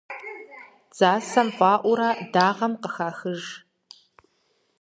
Дзасэм фӀаӀуурэ дагъэм къыхахыж.